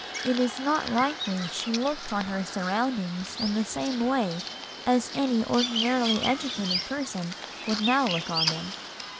It is not likely she looked on her surroundings in the same way as any ordinarily educated person would now look on them.